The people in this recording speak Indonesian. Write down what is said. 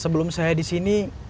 sebelum saya disini